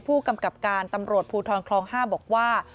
ผู้กำกับการตำรวจภูทรคลอง๕บอกว่า